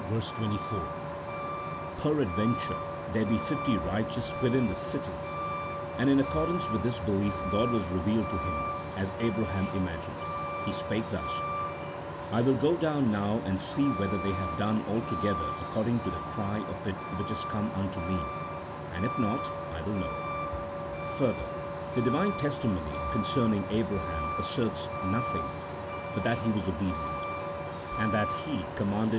24), " Perad venture there be fifty righteous within the city," and in accordance with this belief God was revealed to him ; as Abraham imagined, He spake thus :" I will go down now, and see whether they have done altogether according to the cry of it which is come unto Me ; and, if not, I will know." Further, the Divine testimony concerning Abraham asserts nothing but that he was obedient, and that he " commanded 36 A THEOLOGICO POLITICAL TREATISE. [CHAP. II.